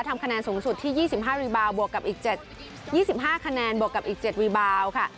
ทำคะแนนสูงสุดที่๒๕คะแนนบวกกับอีก๗วีบาวค่ะ